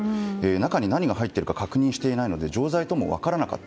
中に何が入っているか確認していないので錠剤とも分からなかった。